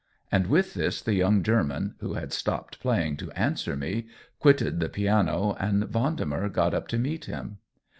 And with this the young German, who had stopped playing to answer me, quitted the piano, and Vendemer got up to meet him.